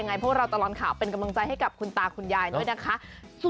พวกเราตลอดข่าวเป็นกำลังใจให้กับคุณตาคุณยายด้วยนะคะ